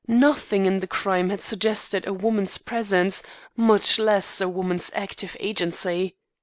Nothing in the crime had suggested a woman's presence, much less a woman's active agency.